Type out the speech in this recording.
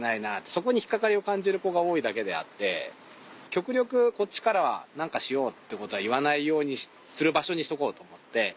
そこに引っ掛かりを感じる子が多いだけであって極力こっちからは何かしようってことは言わないようにする場所にしとこうと思って。